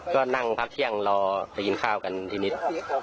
ก็นั่งพักเที่ยงรอไปกินข้าวกันทีนี้